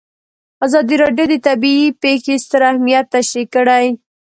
ازادي راډیو د طبیعي پېښې ستر اهميت تشریح کړی.